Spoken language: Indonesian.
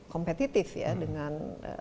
kompetitif ya dengan